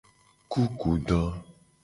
Kukudo.